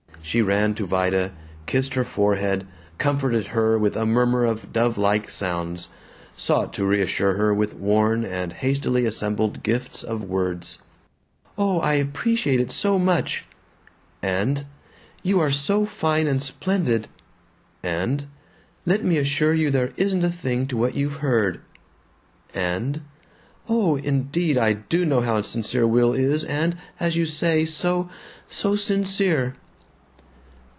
She ran to Vida, kissed her forehead, comforted her with a murmur of dove like sounds, sought to reassure her with worn and hastily assembled gifts of words: "Oh, I appreciate it so much," and "You are so fine and splendid," and "Let me assure you there isn't a thing to what you've heard," and "Oh, indeed, I do know how sincere Will is, and as you say, so so sincere."